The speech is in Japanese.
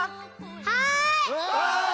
はい！